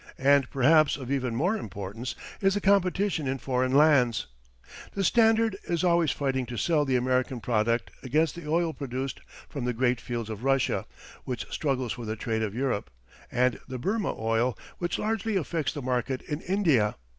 And perhaps of even more importance is the competition in foreign lands. The Standard is always fighting to sell the American product against the oil produced from the great fields of Russia, which struggles for the trade of Europe, and the Burma oil, which largely affects the market in India.